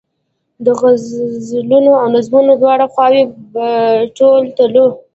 د غزلونو او نظمونو دواړه خواوې په تول تلو.